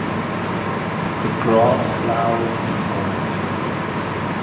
The grass flowers in August.